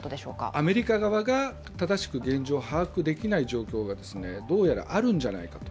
アメリカ側が正しく現状を把握できない状況がどうやらあるんじゃないかと。